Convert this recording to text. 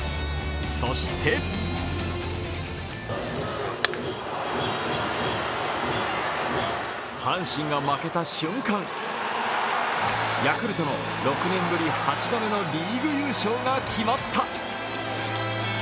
そして阪神が負けた瞬間、ヤクルトの６年ぶり８度目のリーグ優勝が決まった。